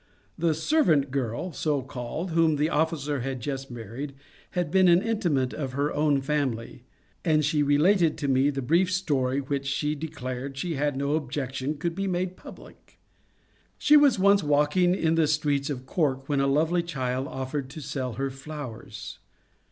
The '^ servant girl," so called, whom the o£Gicer had just married, had been an inmate of her own family ; and she related to me the brief story which, she declared, she had no objection should be made public. She was once walking in the streets of Cork, when a lovely child offered to sell her flowers.